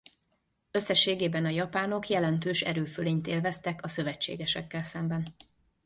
Összességében a japánok jelentős erőfölényt élveztek a szövetségesekkel szemben.